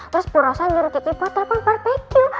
terus bu rosa nyuruh kiki buat telepon barbecue